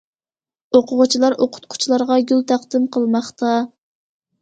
ئوقۇغۇچىلار ئوقۇتقۇچىلارغا گۈل تەقدىم قىلماقتا.